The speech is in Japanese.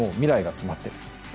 詰まっているんですね。